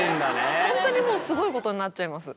本当にもうすごいことになっちゃいます。